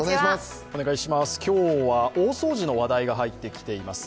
今日は、大掃除の話題が入ってきています。